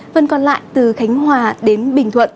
phần còn lại từ khánh hòa đến bình thuận